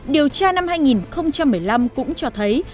điều tra năm hai nghìn một mươi năm cũng cho thấy